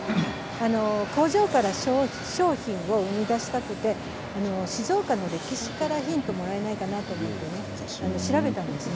工場から商品を生み出したくて静岡の歴史からヒントをもらえないかなと思って調べたんですね。